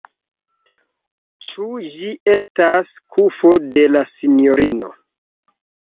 Ĉu ĝi estas kufo de la sinjorino.